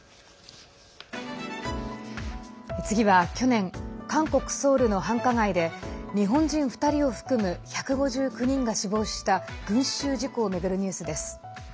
次は去年韓国・ソウルの繁華街で日本人２人を含む１５９人が死亡した群集事故を巡るニュースです。